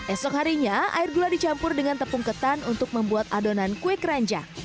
esok harinya air gula dicampur dengan tepung ketan untuk membuat adonan kue keranjang